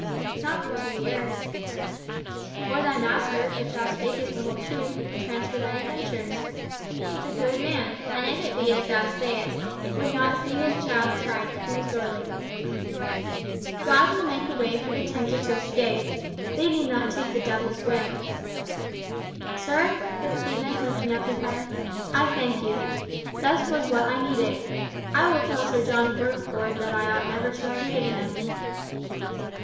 "Not for two years" "Or thy master, if thou spakest the whole truth, would transfer thine indentures. He is a good man, and if it be as thou sayest, would not see his child tried too sorely. God will make a way for the tempted to escape. They need not take the devil's way." "Sir," said Stephen, lifting up his head, "I thank you. Thus was what I needed. I will tell Sir John Fulford that I ought never to have heeded him."